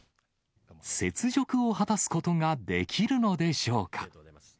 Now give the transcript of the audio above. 雪辱を果たすことができるのでしょうか。